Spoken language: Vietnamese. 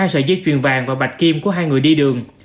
hai sợi dây chuyền vàng và bạch kim của hai người đi đường